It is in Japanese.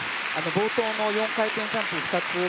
冒頭の４回転ジャンプ２つですね。